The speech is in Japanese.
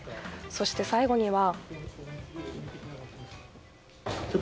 そして、最後には。